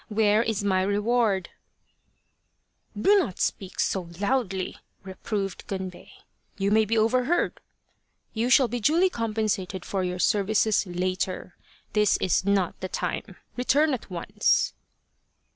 Where is my reward ?"" Do not speak so loudly !" reproved Gunbei. " You may be overheard ! You shall be duly com pensated for your services later. This is not the time. Return at once